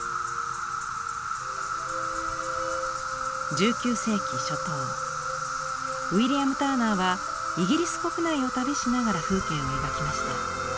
１９世紀初頭ウィリアム・ターナーはイギリス国内を旅しながら風景を描きました。